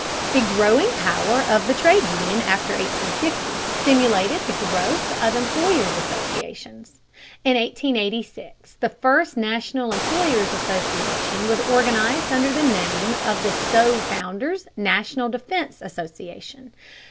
The growing power of the trade union after 1850 stimulated the growth of employers' associations. In 1886 the first national employers' association was organized under the name of the Stove Founders' National Defence Association.